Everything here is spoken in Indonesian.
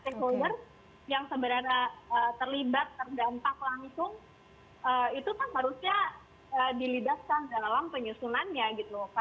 stakeholder yang sebenarnya terlibat terdampak langsung itu kan harusnya dilibatkan dalam penyusunannya gitu loh